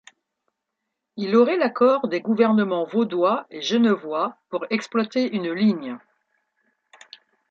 Il aurait l’accord des gouvernements vaudois et genevois pour exploiter une ligne.